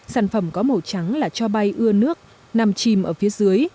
sản phẩm có màu trắng là cho bay ưa nước nằm chìm ở phía dưới